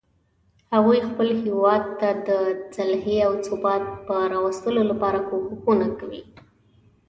هغوی خپل هیواد ته د صلحې او ثبات راوستلو لپاره کوښښونه کوي